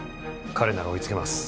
彼なら追いつけます。